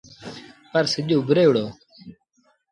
پر سڄ اُڀري وُهڙو۔